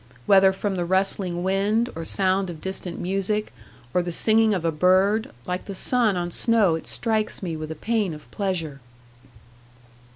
Whether from the rustling wind, or sound of distant music, or the singing of a bird, like the sun on snow it strikes me with a pain of pleasure.